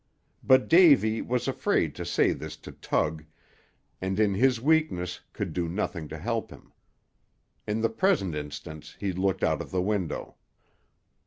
But Davy was afraid to say this to Tug, and in his weakness could do nothing to help him. In the present instance he looked out of the window.